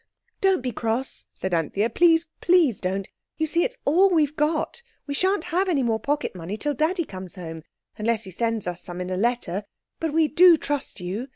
"Don't be cross," said Anthea, "Please, please don't. You see, it's all we've got; we shan't have any more pocket money till Daddy comes home—unless he sends us some in a letter. But we do trust you.